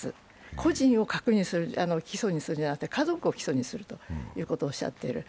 個人を基礎にするんじゃなくて、家族を基礎にするとおっしゃっている。